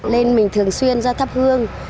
nên mình thường xuyên ra tháp hương